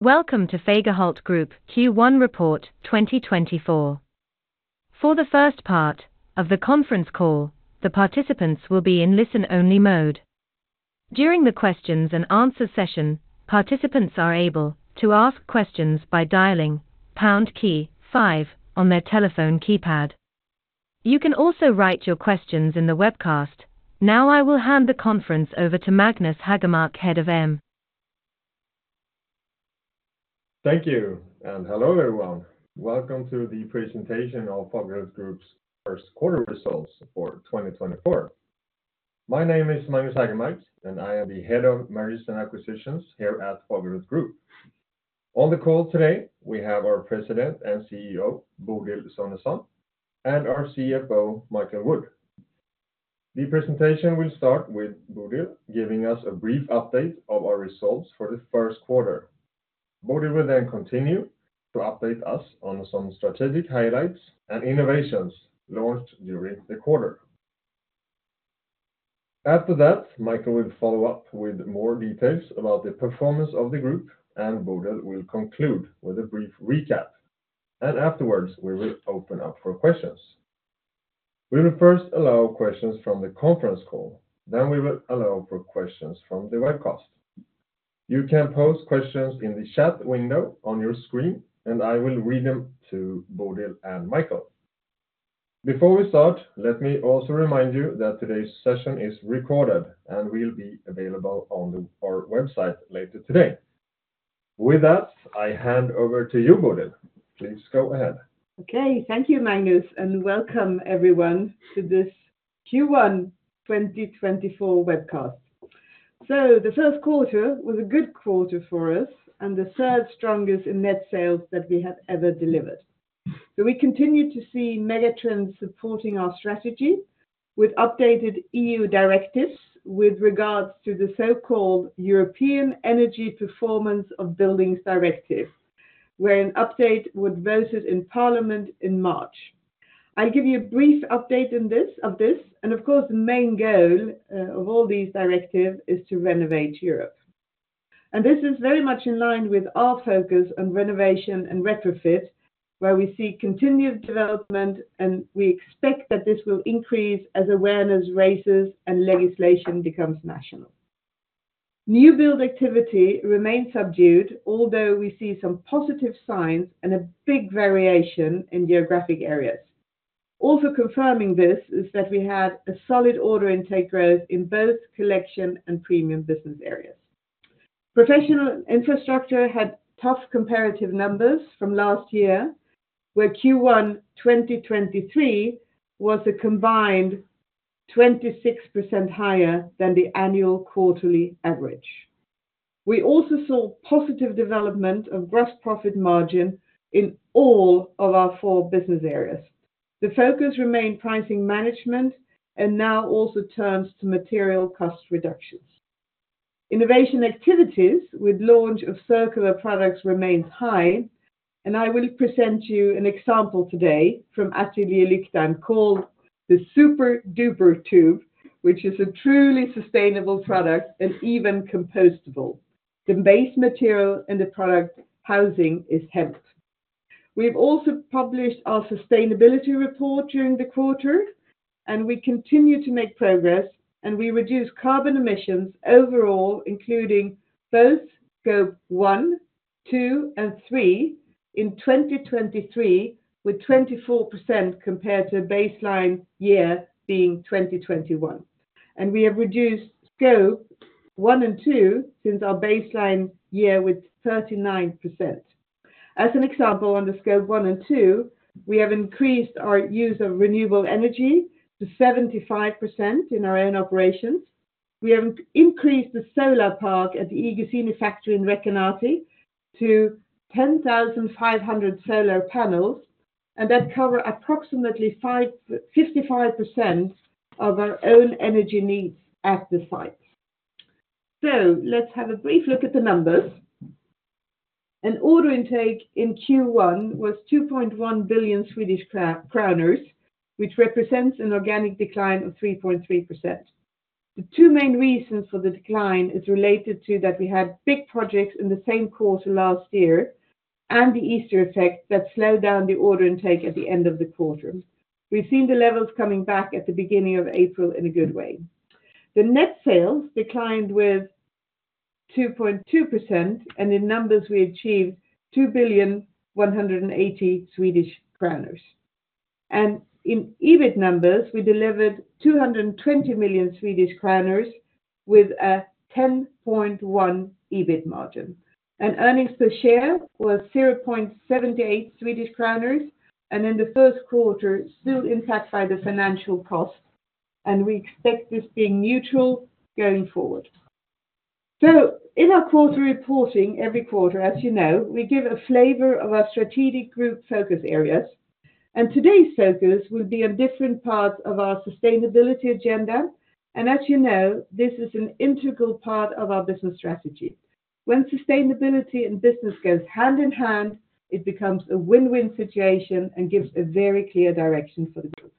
Welcome to Fagerhult Group Q1 Report 2024. For the first part of the conference call, the participants will be in listen-only mode. During the questions and answer session, participants are able to ask questions by dialing pound key five on their telephone keypad. You can also write your questions in the webcast. Now, I will hand the conference over to Magnus Hägermark, Head of M&A. Thank you, and hello, everyone. Welcome to the presentation of Fagerhult Group's first quarter results for 2024. My name is Magnus Hägermark, and I am the Head of Mergers and Acquisitions here at Fagerhult Group. On the call today, we have our President and CEO, Bodil Sonesson, and our CFO, Michael Wood. The presentation will start with Bodil giving us a brief update of our results for the first quarter. Bodil will then continue to update us on some strategic highlights and innovations launched during the quarter. After that, Michael will follow up with more details about the performance of the group, and Bodil will conclude with a brief recap, and afterwards, we will open up for questions. We will first allow questions from the conference call, then we will allow for questions from the webcast. You can post questions in the chat window on your screen, and I will read them to Bodil and Michael. Before we start, let me also remind you that today's session is recorded and will be available on our website later today. With that, I hand over to you, Bodil. Please go ahead. Okay. Thank you, Magnus, and welcome everyone to this Q1 2024 webcast. So the first quarter was a good quarter for us and the third strongest in net sales that we have ever delivered. So we continued to see mega trends supporting our strategy with updated EU directives with regards to the so-called European Energy Performance of Buildings Directive, where an update was voted in parliament in March. I'll give you a brief update in this, of this, and of course, the main goal of all these directive is to renovate Europe. And this is very much in line with our focus on renovation and retrofit, where we see continued development, and we expect that this will increase as awareness raises and legislation becomes national. New build activity remains subdued, although we see some positive signs and a big variation in geographic areas. Also confirming this is that we had a solid order intake growth in both collection and premium business areas. Professional infrastructure had tough comparative numbers from last year, where Q1 2023 was a combined 26% higher than the annual quarterly average. We also saw positive development of gross profit margin in all of our four business areas. The focus remained pricing management and now also turns to material cost reductions. Innovation activities with launch of circular products remains high, and I will present you an example today from Ateljé Lyktan called the Super Duper Tube, which is a truly sustainable product and even compostable. The base material in the product housing is hemp. We've also published our sustainability report during the quarter, and we continue to make progress, and we reduce carbon emissions overall, including both scope 1, 2, and 3 in 2023, with 24% compared to a baseline year being 2021. And we have reduced scope 1 and 2 since our baseline year with 39%. As an example, on the scope 1 and 2, we have increased our use of renewable energy to 75% in our own operations. We have increased the solar park at the iGuzzini factory in Recanati to 10,500 solar panels, and that cover approximately 55% of our own energy needs at the site. So let's have a brief look at the numbers. An order intake in Q1 was 2.1 billion Swedish kronor, which represents an organic decline of 3.3%. The two main reasons for the decline is related to that we had big projects in the same quarter last year and the Easter effect that slowed down the order intake at the end of the quarter. We've seen the levels coming back at the beginning of April in a good way. The net sales declined with 2.2%, and in numbers, we achieved 2,180 million Swedish kronor. In EBIT numbers, we delivered 220 million Swedish kronor with a 10.1% EBIT margin. Earnings per share was 0.78 Swedish kronor, and in the first quarter, still impacted by the financial cost, and we expect this being neutral going forward. So in our quarter reporting every quarter, as you know, we give a flavor of our strategic group focus areas, and today's focus will be on different parts of our sustainability agenda, and as you know, this is an integral part of our business strategy. When sustainability and business goes hand in hand, it becomes a win-win situation and gives a very clear direction for the group....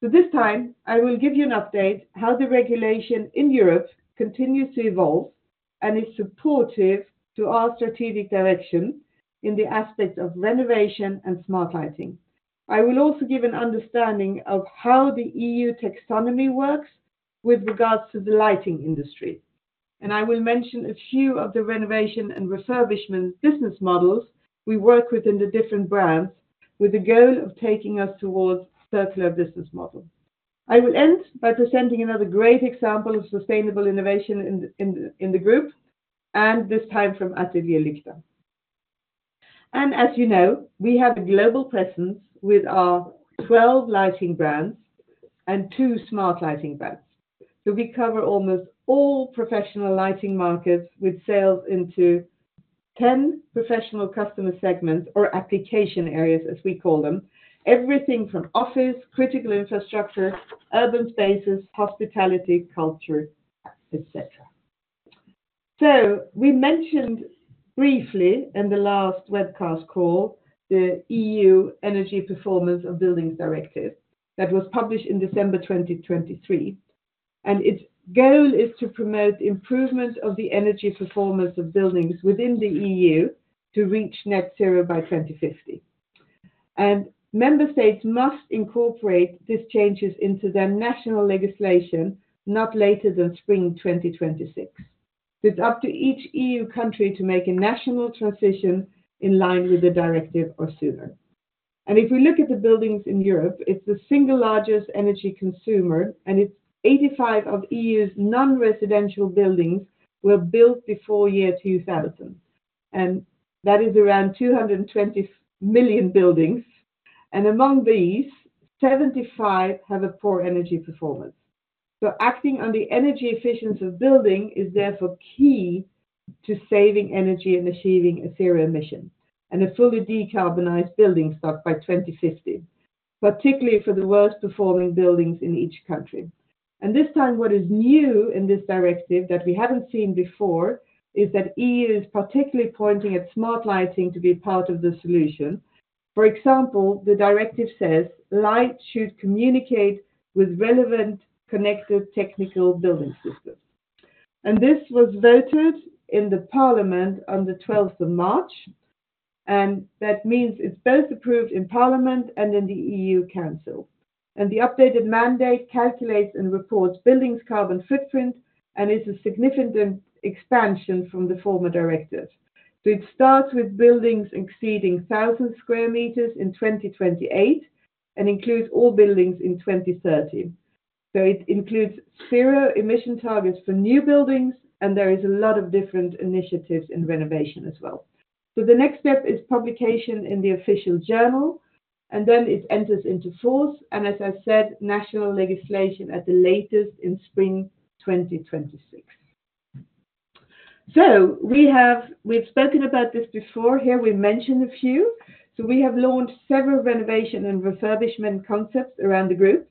So this time, I will give you an update how the regulation in Europe continues to evolve and is supportive to our strategic direction in the aspects of renovation and smart lighting. I will also give an understanding of how the EU Taxonomy works with regards to the lighting industry, and I will mention a few of the renovation and refurbishment business models we work with in the different brands, with the goal of taking us towards circular business model. I will end by presenting another great example of sustainable innovation in the group, and this time from Ateljé Lyktan. And as you know, we have a global presence with our 12 lighting brands and two smart lighting brands. So we cover almost all professional lighting markets, with sales into 10 professional customer segments or application areas, as we call them. Everything from office, critical infrastructure, urban spaces, hospitality, culture, et cetera. So we mentioned briefly in the last webcast call, the EU Energy Performance of Buildings Directive, that was published in December 2023, and its goal is to promote improvement of the energy performance of buildings within the EU to reach net zero by 2050. And member states must incorporate these changes into their national legislation, not later than spring 2026. So it's up to each EU country to make a national transition in line with the directive or sooner. And if we look at the buildings in Europe, it's the single largest energy consumer, and it's 85% of EU's non-residential buildings were built before year 2000, and that is around 220 million buildings, and among these, 75% have a poor energy performance. So acting on the energy efficiency of building is therefore key to saving energy and achieving a zero emission, and a fully decarbonized building stock by 2050, particularly for the worst-performing buildings in each country. And this time, what is new in this directive that we haven't seen before, is that EU is particularly pointing at smart lighting to be part of the solution. For example, the directive says, "Light should communicate with relevant connected technical building systems." This was voted in the parliament on the 12th of March, and that means it's both approved in Parliament and in the EU Council. The updated mandate calculates and reports buildings' carbon footprint, and is a significant expansion from the former directives. So it starts with buildings exceeding 1,000 square meters in 2028, and includes all buildings in 2030. So it includes zero emission targets for new buildings, and there is a lot of different initiatives in renovation as well. So the next step is publication in the official journal, and then it enters into force, and as I said, national legislation at the latest in spring 2026. So we have. We've spoken about this before, here we mentioned a few. So we have launched several renovation and refurbishment concepts around the group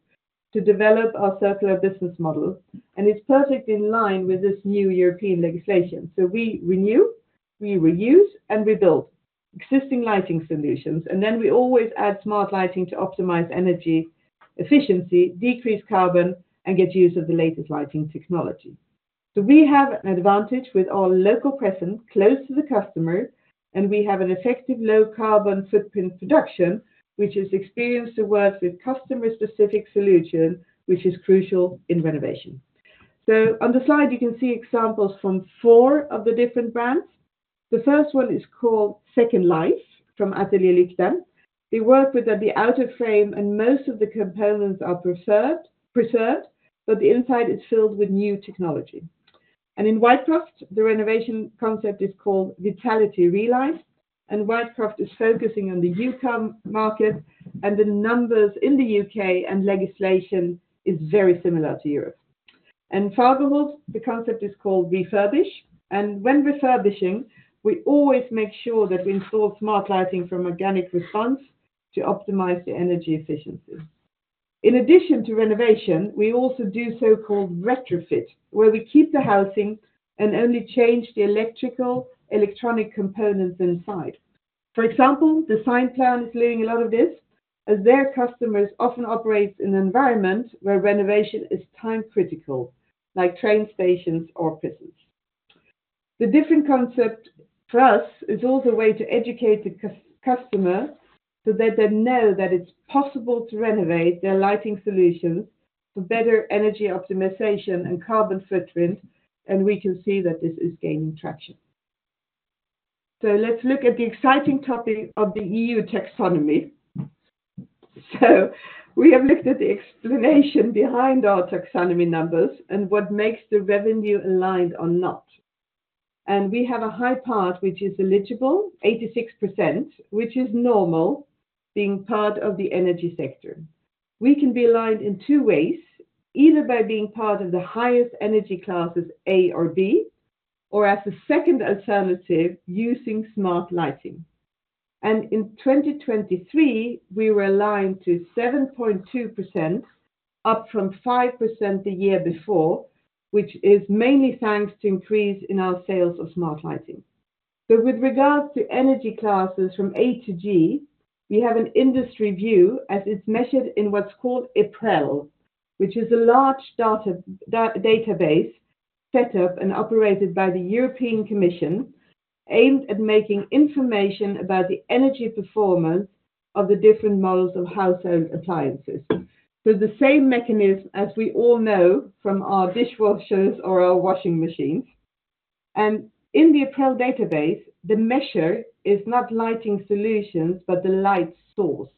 to develop our circular business model, and it's perfectly in line with this new European legislation. So we renew, we reuse, and we build existing lighting solutions, and then we always add smart lighting to optimize energy efficiency, decrease carbon, and get use of the latest lighting technology. So we have an advantage with our local presence close to the customer, and we have an effective low carbon footprint production, which is experienced to work with customer-specific solution, which is crucial in renovation. So on the slide, you can see examples from four of the different brands. The first one is called Second Life, from Ateljé Lyktan. We work with that the outer frame, and most of the components are preserved, but the inside is filled with new technology. And in Whitecroft, the renovation concept is called Vitality ReLight, and Whitecroft is focusing on the U.K. market, and the numbers in the U.K. and legislation is very similar to Europe. In Fagerhult, the concept is called Refurbish, and when refurbishing, we always make sure that we install smart lighting from Organic Response to optimize the energy efficiencies. In addition to renovation, we also do so-called retrofit, where we keep the housing and only change the electrical, electronic components inside. For example, Designplan is doing a lot of this, as their customers often operate in an environment where renovation is time-critical, like train stations or prisons. The different concept for us is also a way to educate the customer, so that they know that it's possible to renovate their lighting solutions for better energy optimization and carbon footprint, and we can see that this is gaining traction. So let's look at the exciting topic of the EU Taxonomy. We have looked at the explanation behind our taxonomy numbers and what makes the revenue aligned or not. We have a high part, which is eligible, 86%, which is normal, being part of the energy sector. We can be aligned in two ways, either by being part of the highest energy classes, A or B, or as a second alternative, using smart lighting. In 2023, we were aligned to 7.2%, up from 5% the year before, which is mainly thanks to increase in our sales of smart lighting. So with regards to energy classes from A to G, we have an industry view as it's measured in what's called EPREL, which is a large database set up and operated by the European Commission, aimed at making information about the energy performance of the different models of household appliances. So the same mechanism, as we all know from our dishwashers or our washing machines. And in the EPREL database, the measure is not lighting solutions, but the light source.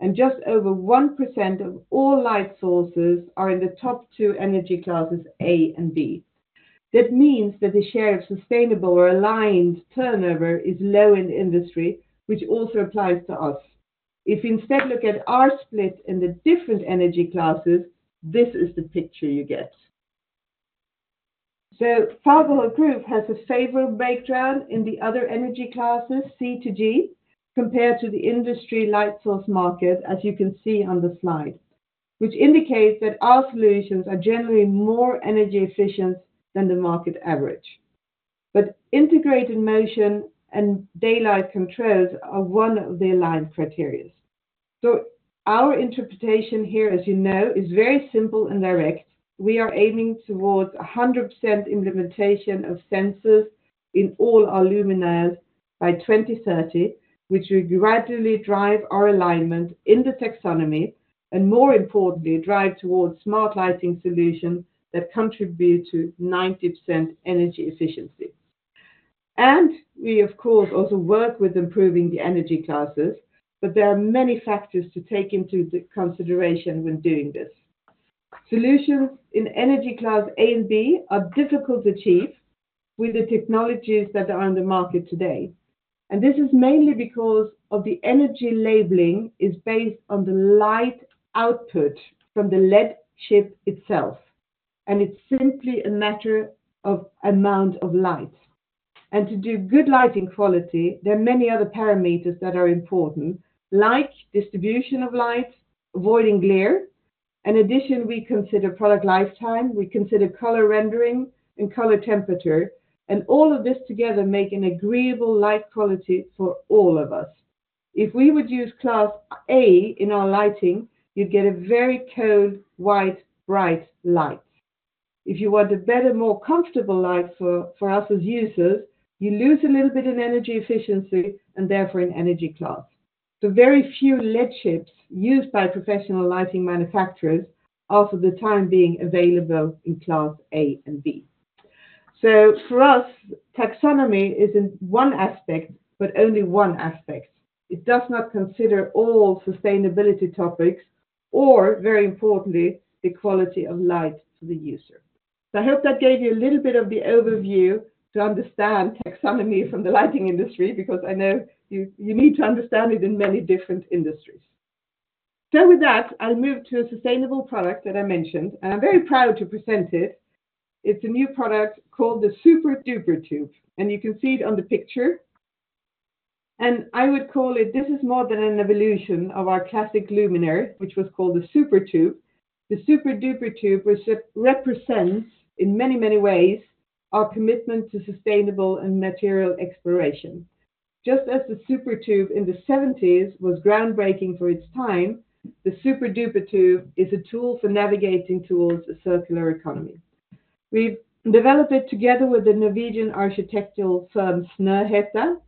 And just over 1% of all light sources are in the top two energy classes, A and B. That means that the share of sustainable or aligned turnover is low in the industry, which also applies to us. If you instead look at our split in the different energy classes, this is the picture you get. So Fagerhult Group has a favorable breakdown in the other energy classes, C to G, compared to the industry light source market, as you can see on the slide, which indicates that our solutions are generally more energy efficient than the market average. But integrated motion and daylight controls are one of the aligned criteria. So our interpretation here, as you know, is very simple and direct. We are aiming towards 100% implementation of sensors in all our luminaires by 2030, which will gradually drive our alignment in the taxonomy, and more importantly, drive towards smart lighting solutions that contribute to 90% energy efficiency. And we, of course, also work with improving the energy classes, but there are many factors to take into consideration when doing this. Solutions in energy class A and B are difficult to achieve with the technologies that are on the market today, and this is mainly because the energy labeling is based on the light output from the LED chip itself, and it's simply a matter of amount of light. To do good lighting quality, there are many other parameters that are important, like distribution of light, avoiding glare. In addition, we consider product lifetime, we consider color rendering and color temperature, and all of this together make an agreeable light quality for all of us. If we would use class A in our lighting, you'd get a very cold, white, bright light. If you want a better, more comfortable light for, for us as users, you lose a little bit in energy efficiency and therefore in energy class. So very few LED chips used by professional lighting manufacturers offer, for the time being, available in class A and B. So for us, taxonomy is in one aspect, but only one aspect. It does not consider all sustainability topics or, very importantly, the quality of light to the user. So I hope that gave you a little bit of the overview to understand taxonomy from the lighting industry, because I know you, you need to understand it in many different industries. So with that, I'll move to a sustainable product that I mentioned, and I'm very proud to present it. It's a new product called the Super Duper Tube, and you can see it on the picture. And I would call it; this is more than an evolution of our classic luminaire, which was called the Super Tube. The Super Duper Tube, which represents, in many, many ways, our commitment to sustainable and material exploration. Just as the Super Tube in the seventies was groundbreaking for its time, the Super Duper Tube is a tool for navigating towards a circular economy. We've developed it together with the Norwegian architectural firm, Snøhetta,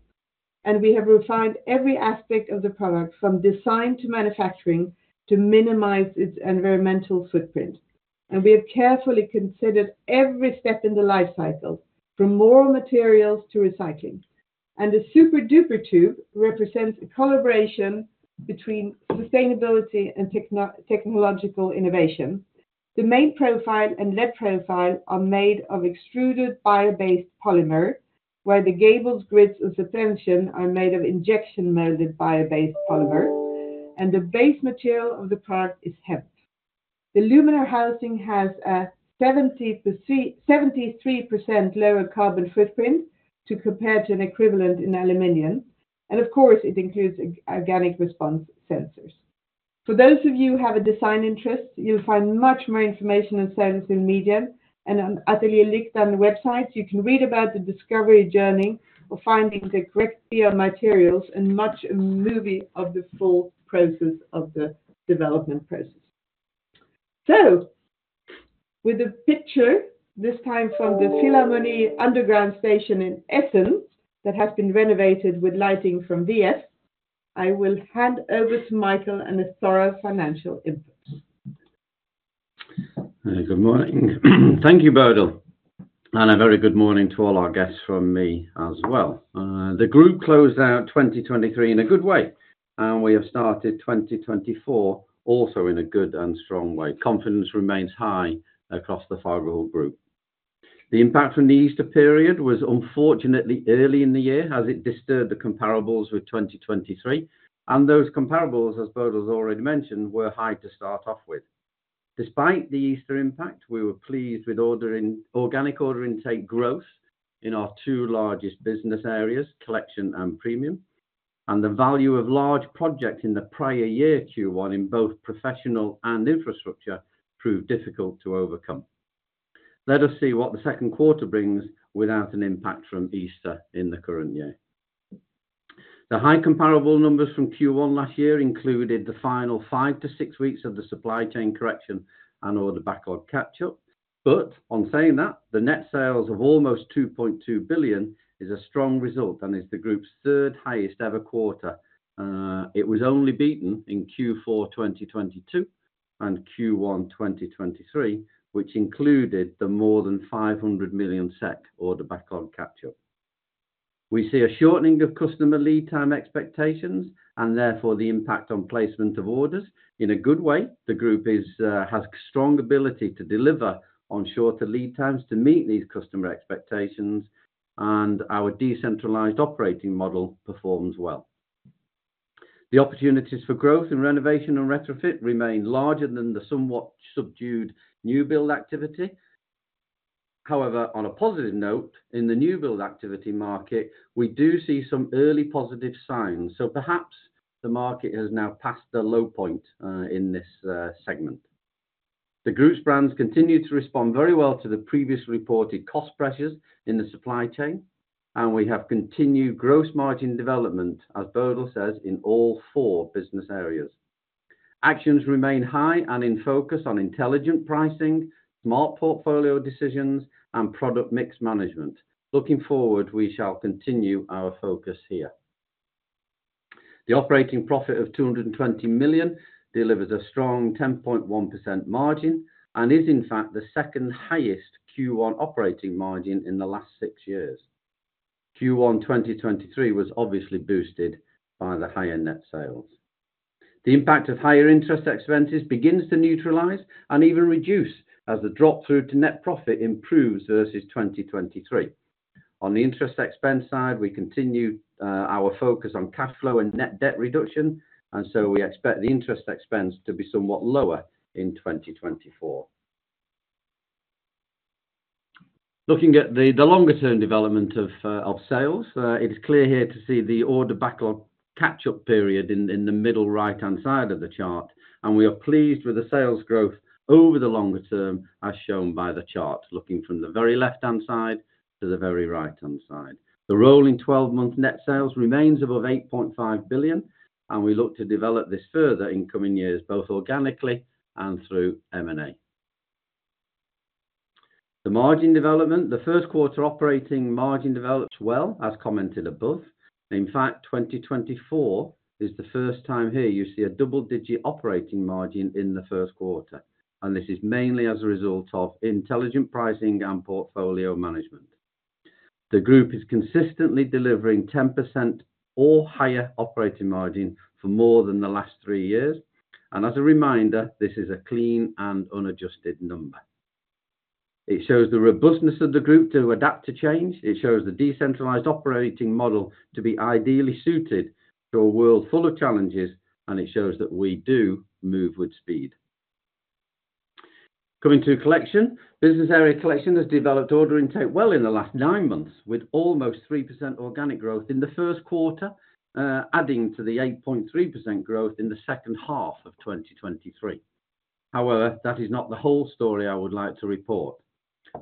and we have refined every aspect of the product, from design to manufacturing, to minimize its environmental footprint. And we have carefully considered every step in the life cycle, from raw materials to recycling. And the Super Duper Tube represents a collaboration between sustainability and technological innovation. The main profile and lead profile are made of extruded bio-based polymer, where the gables, grids, and suspension are made of injection-molded bio-based polymer, and the base material of the product is hemp. The luminaire housing has a 73% lower carbon footprint to compare to an equivalent in aluminum. And of course, it includes Organic Response sensors. For those of you who have a design interest, you'll find much more information on Snøhetta and media, and on Ateljé Lyktan on the website. You can read about the discovery journey of finding the correct materials and a movie of the full process of the development process. So with a picture, this time from the Philharmonie underground station in Essen, that has been renovated with lighting from LTS, I will hand over to Michael and a thorough financial input. Good morning. Thank you, Bodil, and a very good morning to all our guests from me as well. The group closed out 2023 in a good way, and we have started 2024 also in a good and strong way. Confidence remains high across the Fagerhult Group. The impact from the Easter period was unfortunately early in the year, as it disturbed the comparables with 2023. Those comparables, as Bodil has already mentioned, were high to start off with. Despite the Easter impact, we were pleased with ordering organic order intake growth in our two largest business areas, Collection and Premium, and the value of large projects in the prior year Q1 in both professional and infrastructure proved difficult to overcome. Let us see what the second quarter brings without an impact from Easter in the current year. The high comparable numbers from Q1 last year included the final 5-6 weeks of the supply chain correction and order backlog catch-up. But on saying that, the net sales of almost 2.2 billion is a strong result, and is the group's third highest ever quarter. It was only beaten in Q4 2022 and Q1 2023, which included the more than 500 million SEK order backlog catch-up. We see a shortening of customer lead time expectations, and therefore, the impact on placement of orders in a good way. The group is, has strong ability to deliver on shorter lead times to meet these customer expectations, and our decentralized operating model performs well. The opportunities for growth in renovation and retrofit remain larger than the somewhat subdued new build activity. However, on a positive note, in the new build activity market, we do see some early positive signs, so perhaps the market has now passed the low point in this segment. The group's brands continue to respond very well to the previously reported cost pressures in the supply chain, and we have continued gross margin development, as Bodil says, in all four business areas. Actions remain high and in focus on intelligent pricing, smart portfolio decisions, and product mix management. Looking forward, we shall continue our focus here. The operating profit of 220 million delivers a strong 10.1% margin and is, in fact, the second highest Q1 operating margin in the last six years. Q1 2023 was obviously boosted by the higher net sales. The impact of higher interest expenses begins to neutralize and even reduce as the drop-through to net profit improves versus 2023. On the interest expense side, we continue our focus on cash flow and net debt reduction, and so we expect the interest expense to be somewhat lower in 2024. Looking at the longer-term development of sales, it is clear here to see the order backlog catch-up period in the middle right-hand side of the chart, and we are pleased with the sales growth over the longer term, as shown by the chart, looking from the very left-hand side to the very right-hand side. The rolling 12-month net sales remains above 8.5 billion, and we look to develop this further in coming years, both organically and through M&A. The margin development. The first quarter operating margin develops well, as commented above. In fact, 2024 is the first time here you see a double-digit operating margin in the first quarter, and this is mainly as a result of intelligent pricing and portfolio management. The group is consistently delivering 10% or higher operating margin for more than the last three years, and as a reminder, this is a clean and unadjusted number. It shows the robustness of the group to adapt to change, it shows the decentralized operating model to be ideally suited to a world full of challenges, and it shows that we do move with speed. Coming to Collection, business area Collection has developed order intake well in the last nine months, with almost 3% organic growth in the first quarter, adding to the 8.3% growth in the second half of 2023. However, that is not the whole story I would like to report.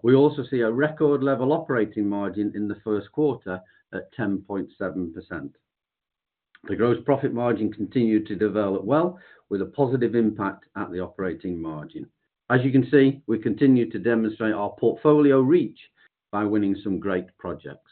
We also see a record level operating margin in the first quarter at 10.7%. The gross profit margin continued to develop well, with a positive impact at the operating margin. As you can see, we continue to demonstrate our portfolio reach by winning some great projects.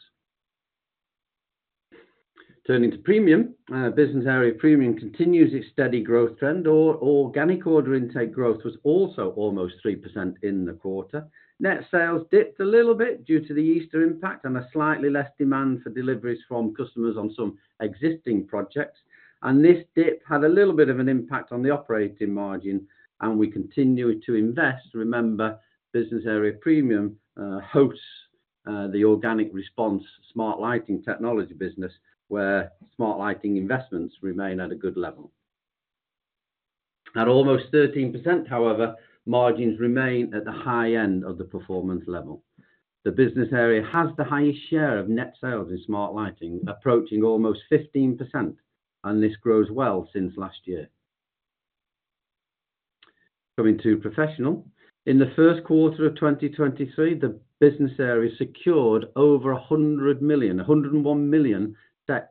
Turning to Premium, business area Premium continues its steady growth trend, or organic order intake growth was also almost 3% in the quarter. Net sales dipped a little bit due to the Easter impact and a slightly less demand for deliveries from customers on some existing projects, and this dip had a little bit of an impact on the operating margin, and we continue to invest. Remember, business area Premium hosts the Organic Response smart lighting technology business, where smart lighting investments remain at a good level. At almost 13%, however, margins remain at the high end of the performance level. The business area has the highest share of net sales in smart lighting, approaching almost 15%, and this grows well since last year. Coming to Professional, in the first quarter of 2023, the business area secured over 100 million, 101 million,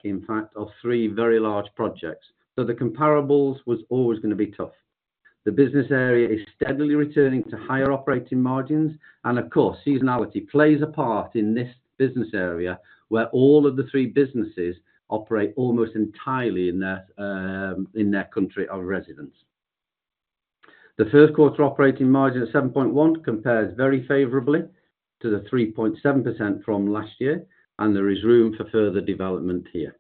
in fact, of three very large projects. So the comparables was always going to be tough. The business area is steadily returning to higher operating margins, and of course, seasonality plays a part in this business area, where all of the three businesses operate almost entirely in their, in their country of residence. The first quarter operating margin of 7.1 compares very favorably to the 3.7% from last year, and there is room for further development here.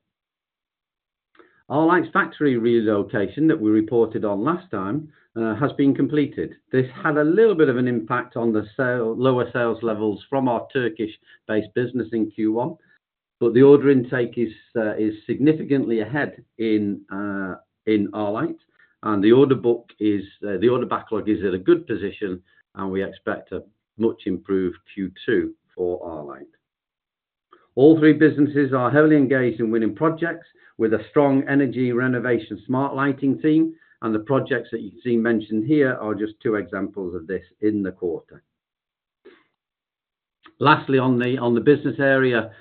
Our light factory relocation that we reported on last time has been completed. This had a little bit of an impact on the sales—lower sales levels from our Turkish-based business in Q1, but the order intake is significantly ahead in Arlight, and the order book is the order backlog is at a good position, and we expect a much improved Q2 for Arlight. All three businesses are heavily engaged in winning projects with a strong energy renovation smart lighting team, and the projects that you've seen mentioned here are just two examples of this in the quarter. Lastly, on the business area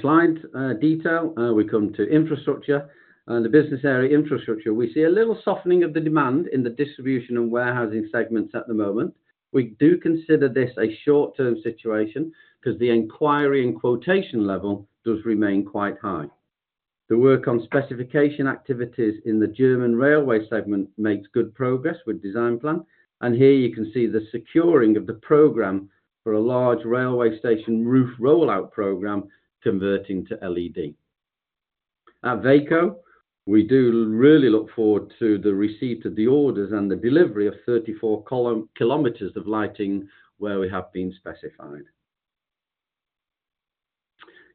slide detail, we come to infrastructure. The business area infrastructure, we see a little softening of the demand in the distribution and warehousing segments at the moment. We do consider this a short-term situation, 'cause the inquiry and quotation level does remain quite high. The work on specification activities in the German railway segment makes good progress with Designplan, and here you can see the securing of the program for a large railway station roof rollout program converting to LED. At Veko, we do really look forward to the receipt of the orders and the delivery of 34 column-kilometers of lighting where we have been specified.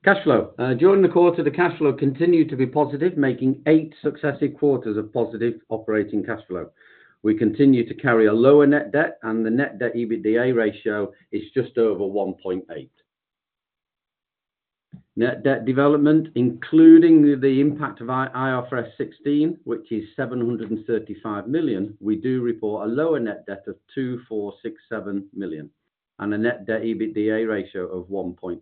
Cash flow. During the quarter, the cash flow continued to be positive, making 8 successive quarters of positive operating cash flow. We continue to carry a lower net debt, and the net debt EBITDA ratio is just over 1.8. Net debt development, including the impact of IFRS 16, which is 735 million, we do report a lower net debt of 2,467 million, and a net debt EBITDA ratio of 1.86.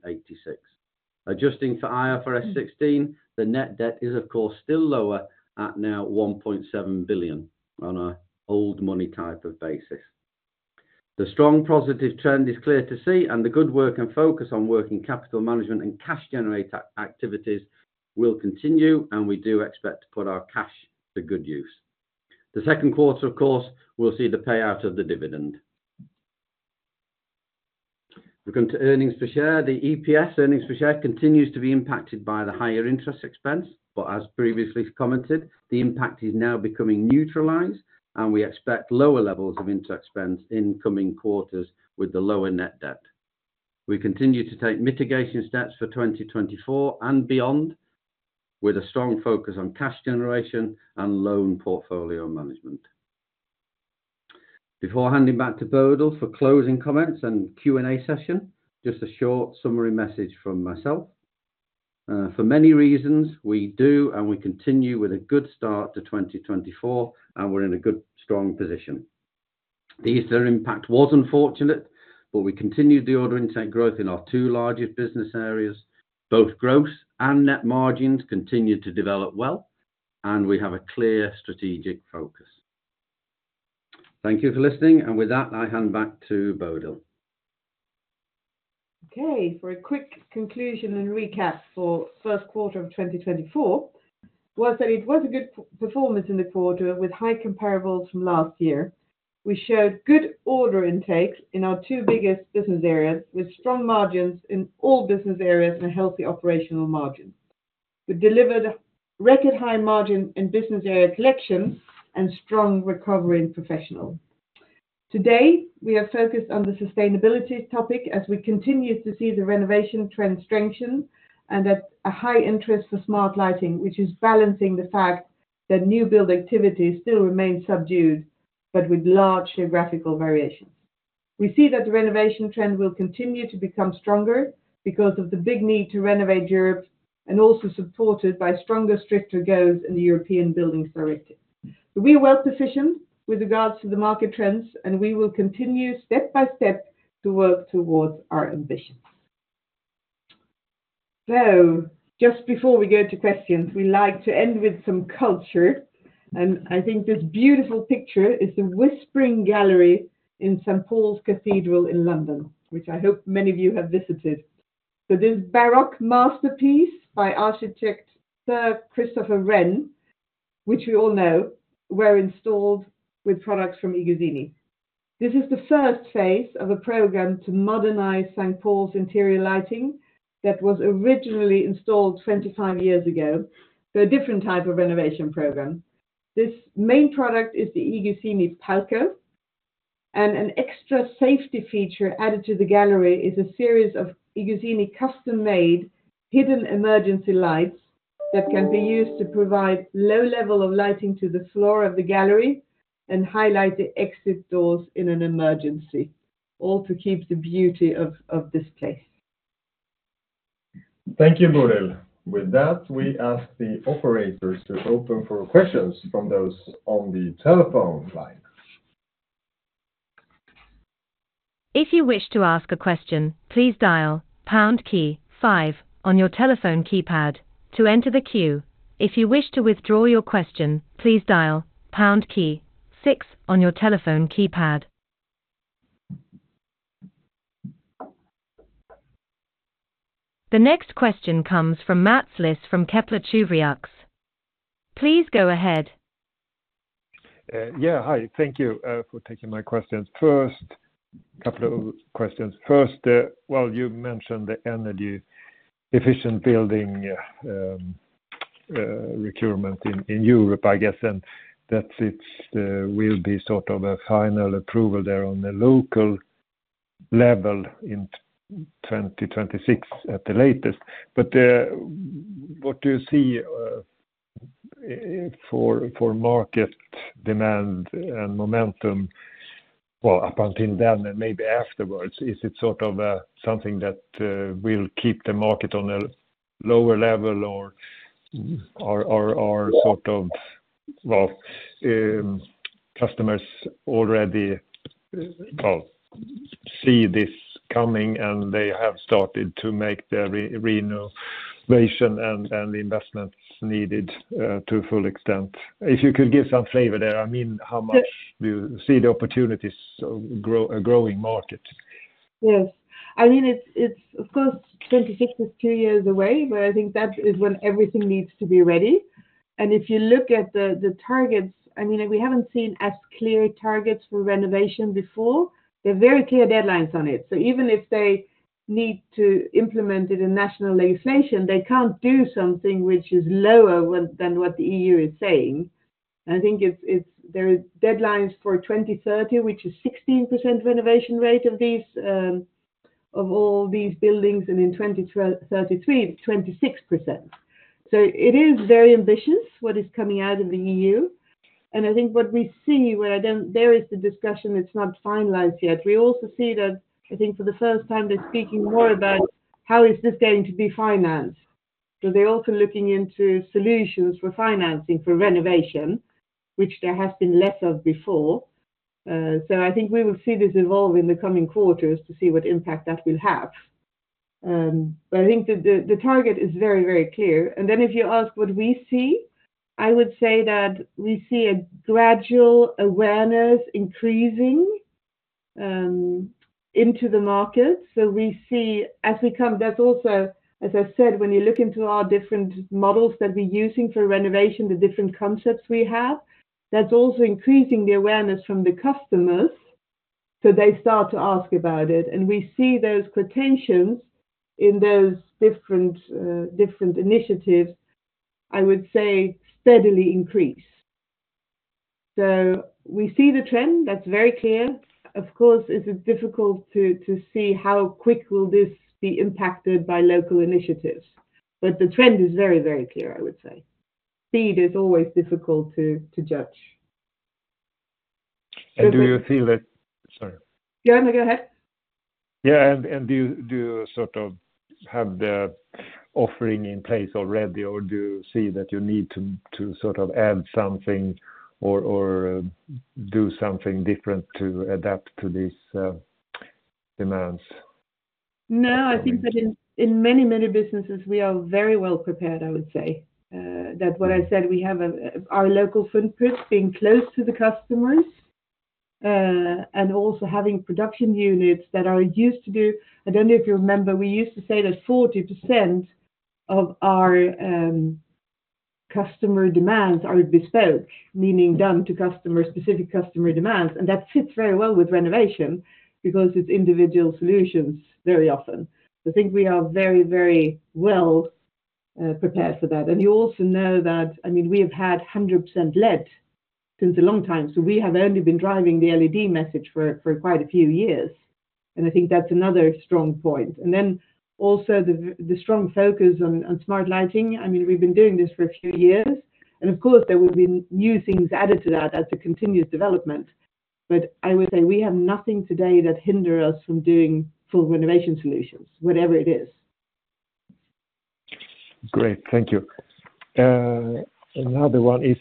Adjusting for IFRS 16, the net debt is, of course, still lower at now 1.7 billion on a old money type of basis. The strong positive trend is clear to see, and the good work and focus on working capital management and cash generator activities will continue, and we do expect to put our cash to good use. The second quarter, of course, will see the payout of the dividend. We come to earnings per share. The EPS, earnings per share, continues to be impacted by the higher interest expense, but as previously commented, the impact is now becoming neutralized, and we expect lower levels of interest expense in coming quarters with the lower net debt. We continue to take mitigation steps for 2024 and beyond, with a strong focus on cash generation and loan portfolio management. Before handing back to Bodil for closing comments and Q&A session, just a short summary message from myself. For many reasons, we do and we continue with a good start to 2024, and we're in a good, strong position. The Easter impact was unfortunate, but we continued the order intake growth in our two largest business areas. Both gross and net margins continued to develop well, and we have a clear strategic focus. Thank you for listening, and with that, I hand back to Bodil. Okay, for a quick conclusion and recap for first quarter of 2024, well, it was a good performance in the quarter with high comparables from last year. We showed good order intakes in our two biggest business areas, with strong margins in all business areas and a healthy operational margin. We delivered record high margin in business area Collection and strong recovery in Professional. Today, we are focused on the sustainability topic as we continue to see the renovation trend strengthen and that a high interest for smart lighting, which is balancing the fact that new build activity still remains subdued, but with large geographical variations. We see that the renovation trend will continue to become stronger because of the big need to renovate Europe and also supported by stronger, stricter goals in the Energy Performance of Buildings Directive. We are well positioned with regards to the market trends, and we will continue step by step to work towards our ambitions. So just before we go to questions, we like to end with some culture, and I think this beautiful picture is the Whispering Gallery in St. Paul's Cathedral in London, which I hope many of you have visited. So this Baroque masterpiece by architect Sir Christopher Wren, which we all know, were installed with products from iGuzzini. This is the first phase of a program to modernize St. Paul's interior lighting that was originally installed 25 years ago, so a different type of renovation program. This main product is the iGuzzini Palco, and an extra safety feature added to the gallery is a series of iGuzzini custom-made hidden emergency lights that can be used to provide low level of lighting to the floor of the gallery and highlight the exit doors in an emergency, all to keep the beauty of this place. Thank you, Bodil. With that, we ask the operators to open for questions from those on the telephone line. If you wish to ask a question, please dial pound key five on your telephone keypad to enter the queue. If you wish to withdraw your question, please dial pound key six on your telephone keypad. The next question comes from Mats Liss from Kepler Cheuvreux. Please go ahead. Yeah, hi. Thank you for taking my questions. First couple of questions. First, well, you mentioned the energy-efficient building procurement in Europe, I guess, and that it will be sort of a final approval there on the local level in 2026 at the latest. But what do you see for market demand and momentum, well, up until then, and maybe afterwards? Is it sort of something that will keep the market on a lower level or sort of, well, customers already, well, see this coming, and they have started to make the renovation and the investments needed to a full extent? If you could give some flavor there, I mean, how much- Yes. Do you see the opportunities, so grow, a growing market? Yes. I mean, it's of course, 2060 is two years away, but I think that is when everything needs to be ready. And if you look at the targets, I mean, we haven't seen as clear targets for renovation before. There are very clear deadlines on it. So even if they need to implement it in national legislation, they can't do something which is lower than what the EU is saying. I think it's there are deadlines for 2030, which is 16% renovation rate of these, of all these buildings, and in 2033, it's 26%. So it is very ambitious, what is coming out of the EU, and I think what we see where then there is the discussion, it's not finalized yet. We also see that, I think for the first time, they're speaking more about how is this going to be financed. So they're also looking into solutions for financing for renovation, which there has been less of before. So I think we will see this evolve in the coming quarters to see what impact that will have. But I think the target is very, very clear. And then if you ask what we see, I would say that we see a gradual awareness increasing into the market. So we see. There's also, as I said, when you look into our different models that we're using for renovation, the different concepts we have, that's also increasing the awareness from the customers. So they start to ask about it, and we see those quotations in those different, different initiatives, I would say, steadily increase. So we see the trend, that's very clear. Of course, it's difficult to see how quick will this be impacted by local initiatives, but the trend is very, very clear, I would say. Speed is always difficult to judge. Do you feel that... Sorry. Go on, go ahead. Yeah, and do you sort of have the offering in place already, or do you see that you need to sort of add something or do something different to adapt to these demands? No, I think that in many, many businesses, we are very well prepared, I would say. That's what I said, we have our local footprint being close to the customers, and also having production units that are used to do... I don't know if you remember, we used to say that 40% of our customer demands are bespoke, meaning done to customer-specific customer demands, and that fits very well with renovation because it's individual solutions very often. I think we are very, very well prepared for that. And you also know that, I mean, we have had 100% LED since a long time, so we have only been driving the LED message for quite a few years, and I think that's another strong point. And then also the strong focus on smart lighting. I mean, we've been doing this for a few years, and of course, there will be new things added to that as a continuous development. But I would say we have nothing today that hinder us from doing full renovation solutions, whatever it is. Great, thank you. Another one is,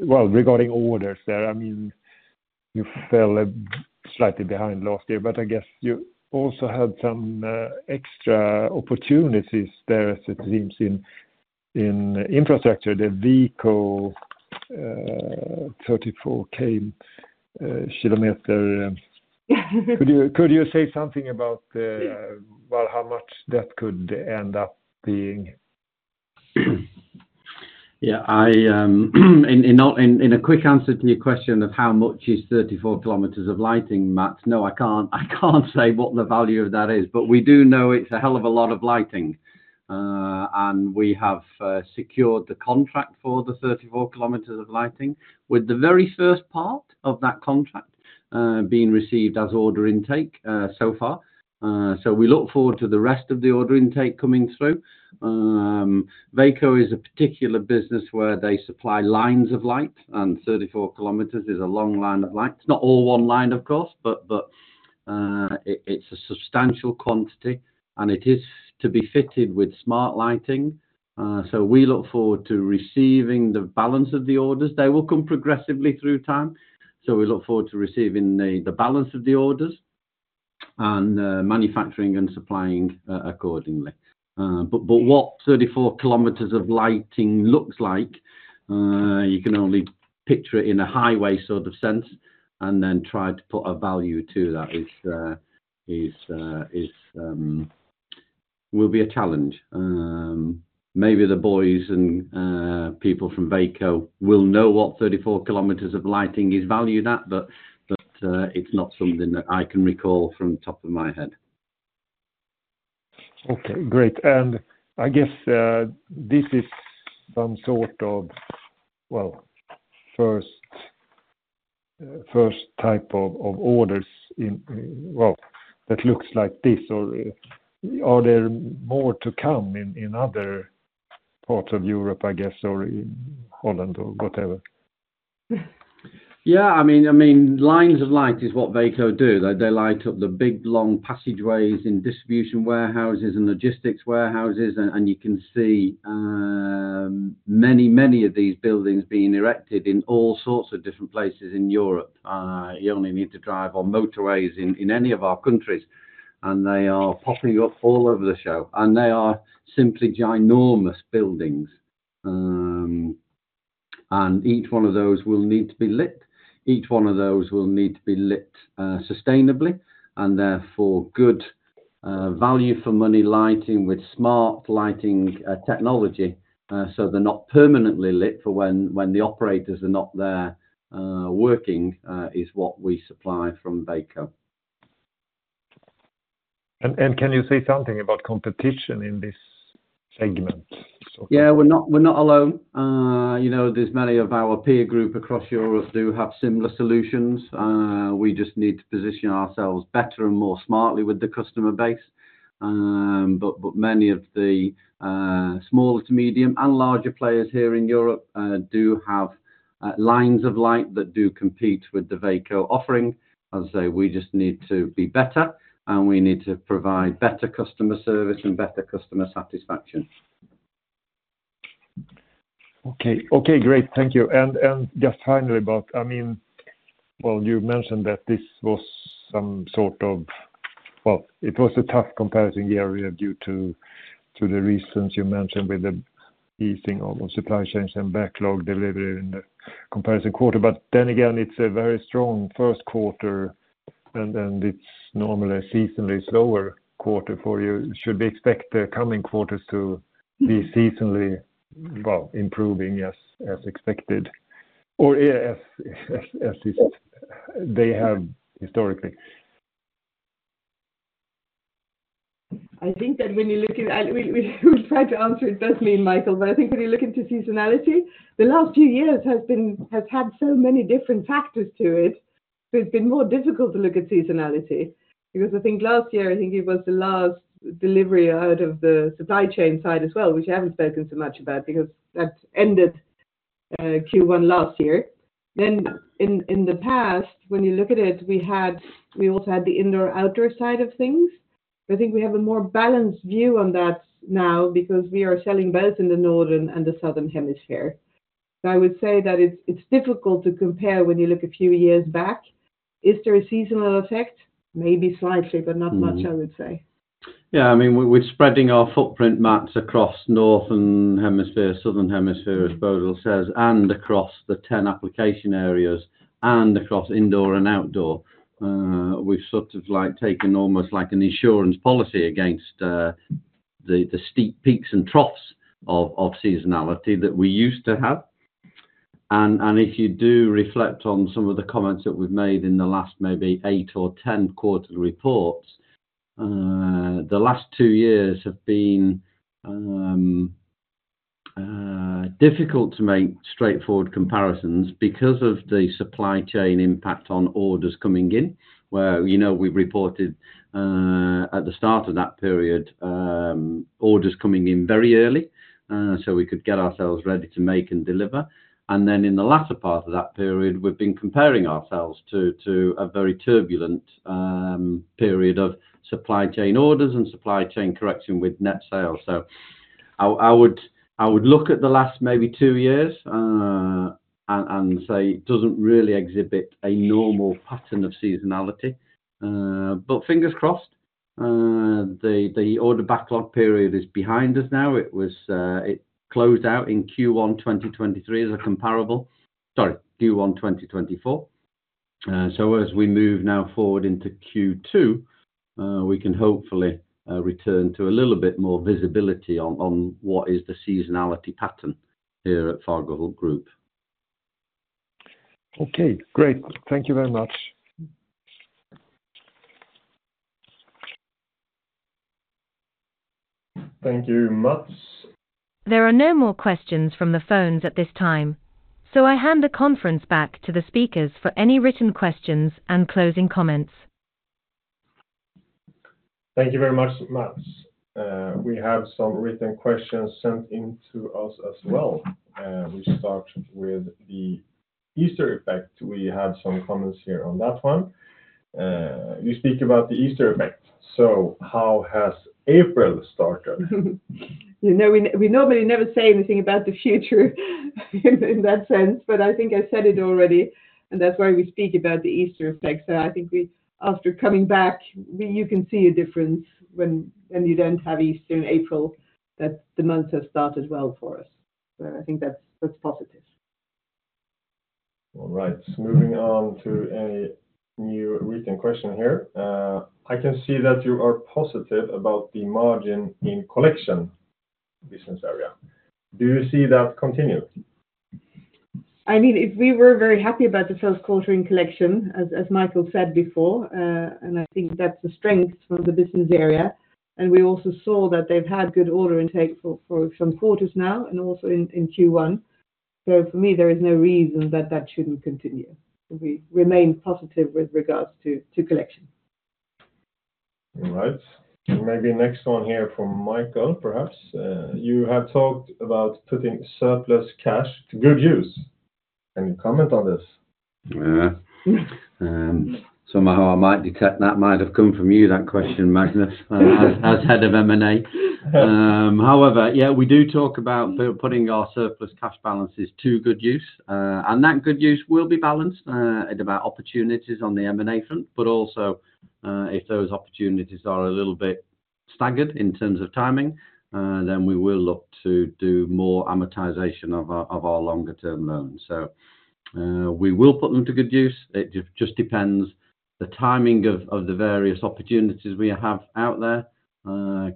well, regarding orders there, I mean, you fell slightly behind last year, but I guess you also had some extra opportunities there, as it seems in infrastructure, the Veko 34 km. Could you say something about the, well, how much that could end up being? Yeah, in a quick answer to your question of how much is 34 kilometers of lighting, Mats? No, I can't say what the value of that is, but we do know it's a hell of a lot of lighting. And we have secured the contract for the 34 kilometers of lighting, with the very first part of that contract being received as order intake so far. So we look forward to the rest of the order intake coming through. Veko is a particular business where they supply lines of light, and 34 kilometers is a long line of light. It's not all one line, of course, but it's a substantial quantity, and it is to be fitted with smart lighting. So we look forward to receiving the balance of the orders. They will come progressively through time, so we look forward to receiving the balance of the orders, and manufacturing and supplying accordingly. But what 34 km of lighting looks like, you can only picture it in a highway sort of sense, and then try to put a value to that is will be a challenge. Maybe the boys and people from Veko will know what 34 km of lighting is valued at, but it's not something that I can recall from the top of my head. Okay, great. And I guess, this is some sort of, well, first type of orders in, well, that looks like this, or are there more to come in, in other parts of Europe, I guess, or in Holland or whatever? Yeah, I mean, lines of light is what Vaco do. They, they light up the big, long passageways in distribution warehouses and logistics warehouses, and, and you can see, many, many of these buildings being erected in all sorts of different places in Europe. You only need to drive on motorways in, in any of our countries, and they are popping up all over the show, and they are simply ginormous buildings. And each one of those will need to be lit, each one of those will need to be lit, sustainably, and therefore, good, value for money lighting with smart lighting, technology, so they're not permanently lit for when, when the operators are not there, working, is what we supply from Vaco. Can you say something about competition in this segment? Yeah, we're not, we're not alone. You know, there's many of our peer group across Europe do have similar solutions. We just need to position ourselves better and more smartly with the customer base. But, but many of the small to medium and larger players here in Europe do have lines of light that do compete with the Vaco offering. I'll say, we just need to be better, and we need to provide better customer service and better customer satisfaction. Okay. Okay, great, thank you. And just finally, but I mean, well, you mentioned that this was some sort of—well, it was a tough comparison year due to the reasons you mentioned with the easing of supply chains and backlog delivery in the comparison quarter. But then again, it's a very strong first quarter, and then it's normally a seasonally slower quarter for you. Should we expect the coming quarters to be seasonally, well, improving as expected, or as they have historically? I think that when you look at... we’ll try to answer it best, me and Michael, but I think when you look into seasonality, the last two years has had so many different factors to it, so it’s been more difficult to look at seasonality. Because I think last year, I think it was the last delivery out of the supply chain side as well, which I haven’t spoken so much about because that ended, Q1 last year. Then in the past, when you look at it, we also had the indoor-outdoor side of things. I think we have a more balanced view on that now because we are selling both in the Northern and the Southern Hemisphere. So I would say that it’s difficult to compare when you look a few years back. Is there a seasonal effect? Maybe slightly, but not much, I would say. Mm-hmm. Yeah, I mean, we're spreading our footprint, Mats, across Northern Hemisphere, Southern Hemisphere, as Bodil says, and across the 10 application areas, and across indoor and outdoor. We've sort of like taken almost like an insurance policy against the steep peaks and troughs of seasonality that we used to have. And if you do reflect on some of the comments that we've made in the last maybe eight or 10 quarterly reports, the last two years have been difficult to make straightforward comparisons because of the supply chain impact on orders coming in, where, you know, we've reported at the start of that period, orders coming in very early, so we could get ourselves ready to make and deliver. Then in the latter part of that period, we've been comparing ourselves to a very turbulent period of supply chain orders and supply chain correction with net sales. So I would look at the last maybe two years and say it doesn't really exhibit a normal pattern of seasonality. But fingers crossed, the order backlog period is behind us now. It was, it closed out in Q1, 2023 as a comparable—sorry, Q1, 2024. So as we move now forward into Q2, we can hopefully return to a little bit more visibility on what is the seasonality pattern here at Fagerhult Group. Okay, great. Thank you very much. Thank you, Mats. There are no more questions from the phones at this time, so I hand the conference back to the speakers for any written questions and closing comments. Thank you very much, Mats. We have some written questions sent in to us as well. We start with the Easter effect. We have some comments here on that one. You speak about the Easter effect, so how has April started? You know, we normally never say anything about the future, in that sense, but I think I said it already, and that's why we speak about the Easter effect. So I think we, after coming back, you can see a difference when you don't have Easter in April, that the months have started well for us. So I think that's positive. All right. Moving on to a new written question here. I can see that you are positive about the margin in collection business area. Do you see that continuing? I mean, if we were very happy about the first quarter in collection, as Michael said before, and I think that's the strength from the business area... and we also saw that they've had good order intake for some quarters now, and also in Q1. So for me, there is no reason that that shouldn't continue. We remain positive with regards to collection. All right. So maybe next one here from Michael, perhaps. You have talked about putting surplus cash to good use. Any comment on this? Yeah. Somehow I might detect that might have come from you, that question, Magnus, as Head of M&A. However, yeah, we do talk about putting our surplus cash balances to good use. And that good use will be balanced about opportunities on the M&A front, but also, if those opportunities are a little bit staggered in terms of timing, then we will look to do more amortization of our, of our longer-term loans. So, we will put them to good use. It just depends the timing of, of the various opportunities we have out there,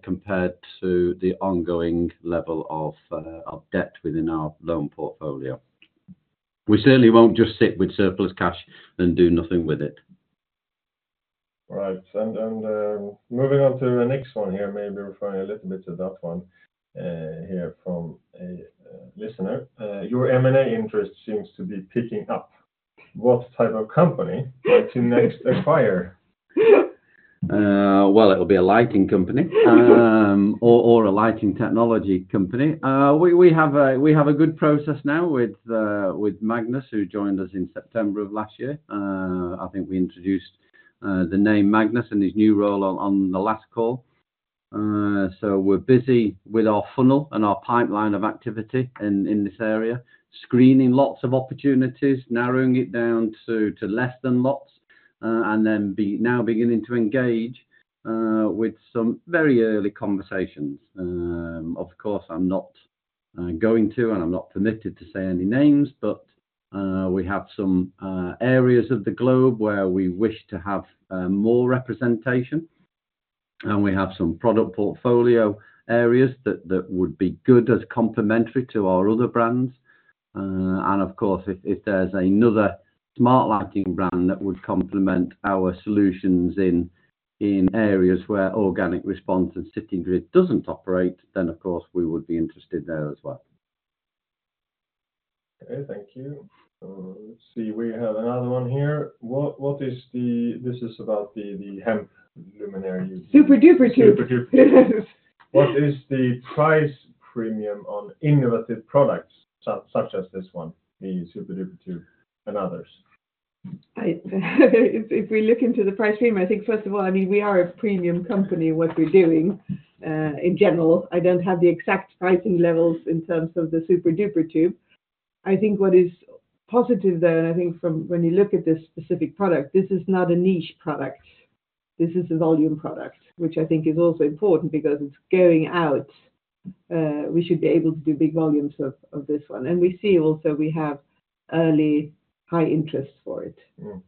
compared to the ongoing level of, of debt within our loan portfolio. We certainly won't just sit with surplus cash and do nothing with it. Right. Moving on to the next one here, maybe referring a little bit to that one, here from a listener. "Your M&A interest seems to be picking up. What type of company might you next acquire? Well, it'll be a lighting company, or, or a lighting technology company. We, we have a, we have a good process now with, with Magnus, who joined us in September of last year. I think we introduced, the name Magnus and his new role on, on the last call. So we're busy with our funnel and our pipeline of activity in, in this area, screening lots of opportunities, narrowing it down to, to less than lots, and then be-- now beginning to engage, with some very early conversations. Of course, I'm not, going to, and I'm not permitted to say any names, but, we have some, areas of the globe where we wish to have, more representation, and we have some product portfolio areas that, that would be good as complementary to our other brands. Of course, if there's another smart lighting brand that would complement our solutions in areas where Organic Response and Citygrid doesn't operate, then, of course, we would be interested there as well. Okay, thank you. Let's see, we have another one here. What is the... This is about the hemp luminaire you- Super Duper Tube. Super Duper. What is the price premium on innovative products, such as this one, the Super Duper Tube and others? If we look into the price premium, I think, first of all, I mean, we are a premium company, what we're doing, in general. I don't have the exact pricing levels in terms of the Super Duper Tube. I think what is positive, though, and I think from when you look at this specific product, this is not a niche product. This is a volume product, which I think is also important because it's going out. We should be able to do big volumes of this one. And we see also we have early high interest for it. Mm-hmm.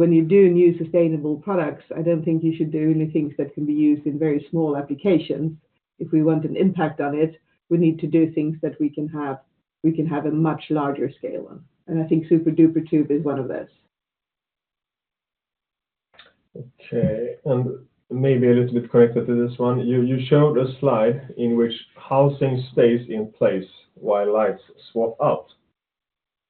When you do new sustainable products, I don't think you should do only things that can be used in very small applications. If we want an impact on it, we need to do things that we can have, we can have a much larger scale on. I think Super Duper Tube is one of those. Okay, and maybe a little bit connected to this one. You, you showed a slide in which housing stays in place while lights swap out.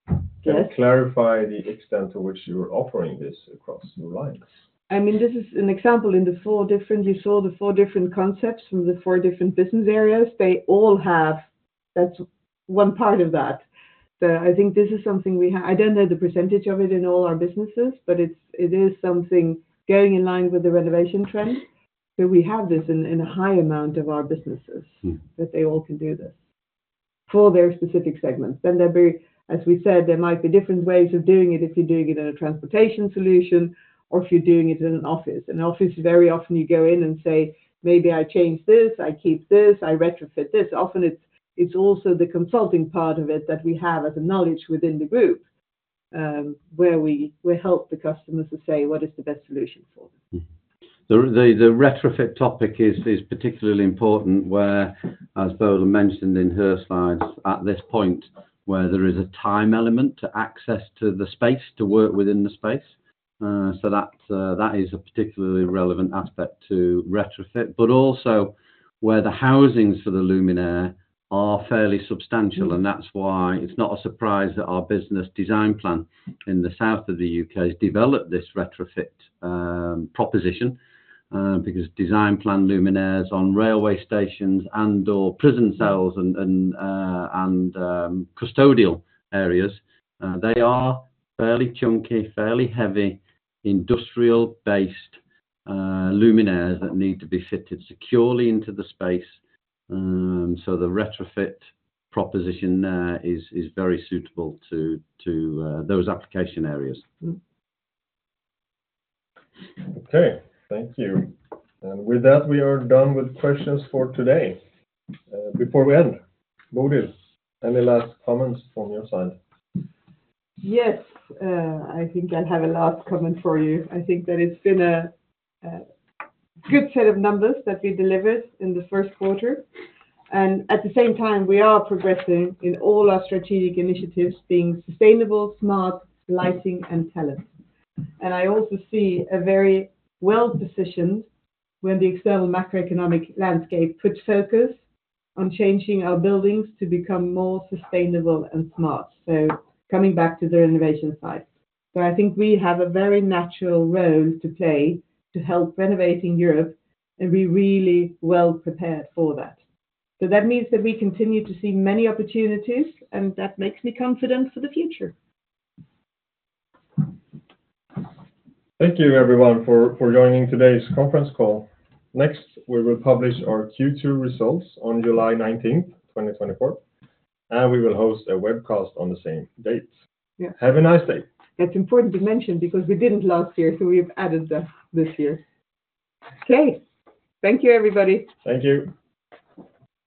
Yes. Can you clarify the extent to which you are offering this across your lines? I mean, this is an example. You saw the four different concepts from the four different business areas. They all have... That's one part of that. So I think this is something we have. I don't know the percentage of it in all our businesses, but it's, it is something going in line with the renovation trend, that we have this in, in a high amount of our businesses. Mm-hmm. - that they all can do this for their specific segments. Then there be, as we said, there might be different ways of doing it, if you're doing it in a transportation solution or if you're doing it in an office. In office, very often you go in and say, "Maybe I change this, I keep this, I retrofit this." Often it's, it's also the consulting part of it that we have as a knowledge within the group, where we, we help the customers to say, what is the best solution for them? Mm-hmm. The retrofit topic is particularly important, where, as Bodil mentioned in her slides, at this point, where there is a time element to access to the space, to work within the space. So that is a particularly relevant aspect to retrofit, but also where the housings for the luminaire are fairly substantial. Mm-hmm. And that's why it's not a surprise that our business Designplan in the south of the U.K. has developed this retrofit proposition, because Designplan luminaires on railway stations and/or prison cells and custodial areas, they are fairly chunky, fairly heavy, industrial-based luminaires that need to be fitted securely into the space. So the retrofit proposition there is very suitable to those application areas. Mm-hmm. Okay, thank you. With that, we are done with questions for today. Before we end, Bodil, any last comments from your side? Yes, I think I have a last comment for you. I think that it's been a good set of numbers that we delivered in the first quarter, and at the same time, we are progressing in all our strategic initiatives, being sustainable, smart, lighting, and talent. And I also see a very well-positioned when the external macroeconomic landscape puts focus on changing our buildings to become more sustainable and smart. So coming back to the renovation side. So I think we have a very natural role to play to help renovating Europe, and we're really well prepared for that. So that means that we continue to see many opportunities, and that makes me confident for the future. Thank you, everyone, for joining today's conference call. Next, we will publish our Q2 results on July 19, 2024, and we will host a webcast on the same date. Yes. Have a nice day. It's important to mention because we didn't last year, so we've added that this year. Okay, thank you, everybody. Thank you.